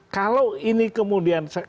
kalau ini kemudian